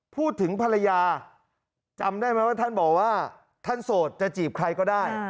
ภรรยาจำได้ไหมว่าท่านบอกว่าท่านโสดจะจีบใครก็ได้